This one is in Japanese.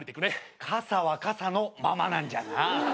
傘は傘のままなんじゃな。